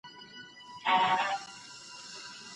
ژوند په هر قدم کي درس دی.